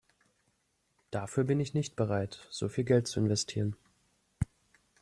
Dafür bin ich nicht bereit, so viel Geld zu investieren.